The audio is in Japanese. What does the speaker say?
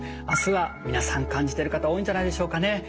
明日は皆さん感じてる方多いんじゃないんでしょうかね。